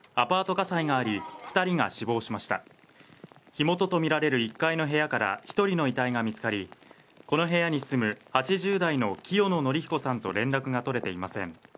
火元とみられる１階の部屋から１人の遺体が見つかり、この部屋に住む８０代の清野典彦さんと連絡が取れていません。